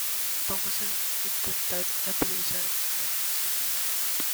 vamos a intentar aterrizar, muchachos.